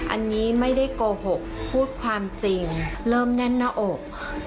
อันนี้ไม่ได้โกหกพูดความจริงเริ่มแน่นหน้าอก